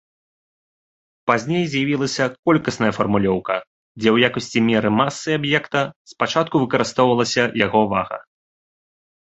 Пазней з'явілася колькасная фармулёўка, дзе ў якасці меры масы аб'екта спачатку выкарыстоўвалася яго вага.